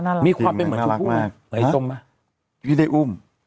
น่ารักมีความเป็นเหมือนทุกผู้เหมือนไอ้ชมป่ะพี่ได้อุ้มไม่